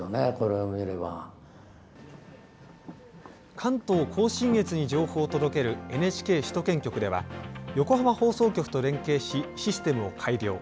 関東・甲信越に情報を届けるＮＨＫ首都圏局では横浜放送局と連携しシステムを改良。